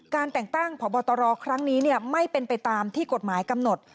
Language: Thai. แต่งตั้งพบตรครั้งนี้ไม่เป็นไปตามที่กฎหมายกำหนด